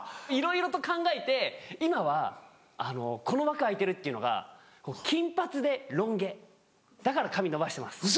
いろいろと考えて今はこの枠空いてるっていうのが金髪でロン毛だから髪伸ばしてます。